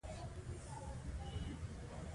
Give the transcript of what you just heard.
پنبې جامې د اوړي لپاره ښې دي